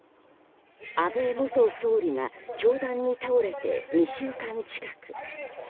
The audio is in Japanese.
安倍元総理が凶弾に倒れて２週間近く。